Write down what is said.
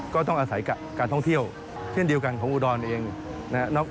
ก็ต้องอาศัยการท่องเที่ยวเช่นเดียวกันของอุดรเองนะครับ